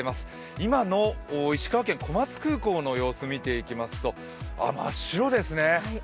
今の石川県・小松空港の様子を見てみますと真っ白ですね。